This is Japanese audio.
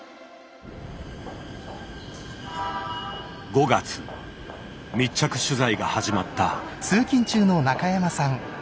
５月密着取材が始まった。